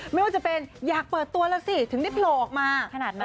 ไม่ว่าจะเป็นอยากเปิดตัวละสิถึงได้โผล่ออกมา